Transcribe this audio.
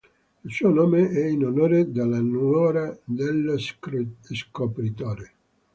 Il suo nome è in onore della nuora dello scopritore.